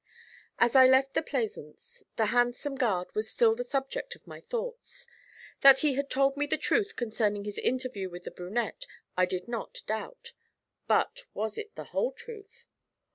As I left the Plaisance the handsome guard was still the subject of my thoughts. That he had told me the truth concerning his interview with the brunette I did not doubt, but was it the whole truth?